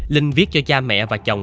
linh viết cho cha mẹ và chồng